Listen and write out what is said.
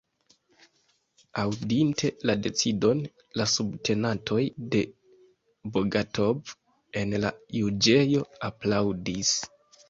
Aŭdinte la decidon, la subtenantoj de Bogatov en la juĝejo aplaŭdis.